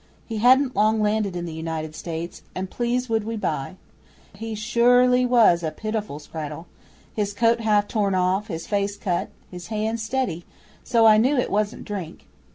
He hadn't long landed in the United States, and please would we buy. He sure ly was a pitiful scrattel his coat half torn off, his face cut, but his hands steady; so I knew it wasn't drink.